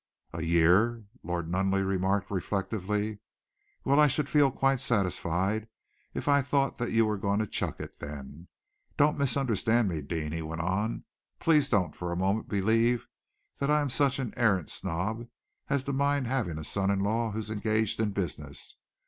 "A year," Lord Nunneley remarked reflectively. "Well, I should feel quite satisfied if I thought that you were going to chuck it then. Don't misunderstand me, Deane," he went on. "Please don't for a moment believe that I am such an arrant snob as to mind having a son in law who's engaged in business.